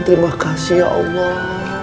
terima kasih ya allah